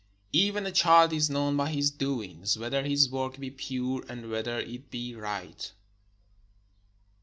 Even a child is known by his doings, whether his work be pure, and whether it be right.